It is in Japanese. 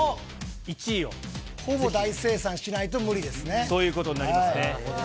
ほぼ大精算しないと無理ですそういうことになりますね。